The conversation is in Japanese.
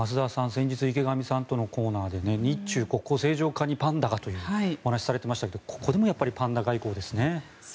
先日、池上さんとのコーナーで日中国交正常化にパンダがというお話をされていましたがここでもやっぱりパンダ外交ですね。